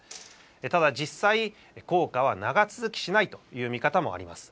ただ、実際、効果は長続きしないという見方もあります。